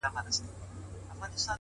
• زه هم دا ستا له لاسه ـ